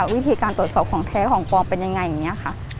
วิธีการตรวจสอบของแท้ของปลอมเป็นยังไงอย่างนี้ค่ะ